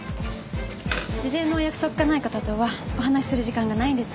事前のお約束がない方とはお話しする時間がないんです。